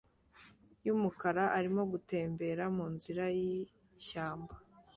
yumukara arimo gutembera munzira yishyamba